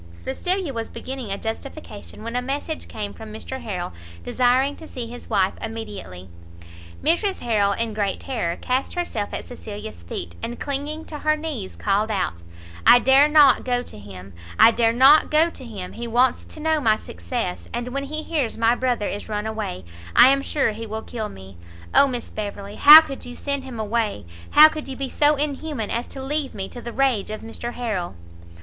Cecilia was beginning a justification, when a message came from Mr Harrel, desiring to see his wife immediately. Mrs Harrel, in great terror, cast herself at Cecilia's feet, and clinging to her knees, called out "I dare not go to him! I dare not go to him! he wants to know my success, and when he hears my brother is run away, I am sure he will kill me! Oh Miss Beverley, how could you send him away? how could you be so inhuman as to leave me to the rage of Mr Harrel?"